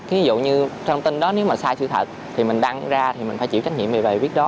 thí dụ như thông tin đó nếu mà sai sự thật thì mình đăng ra thì mình phải chịu trách nhiệm về bài viết đó